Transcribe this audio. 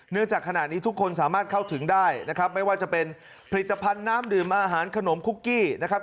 จากขณะนี้ทุกคนสามารถเข้าถึงได้นะครับไม่ว่าจะเป็นผลิตภัณฑ์น้ำดื่มอาหารขนมคุกกี้นะครับ